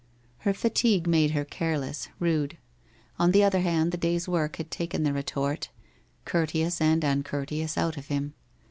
Her fatigue made her careless, rude. On the other hand the day's work had taken the retort, courteous and uncourteous, out of him.